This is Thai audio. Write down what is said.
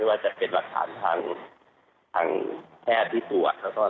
ไม่ว่าจะเป็นระคารทางแพทย์ที่ตรวจ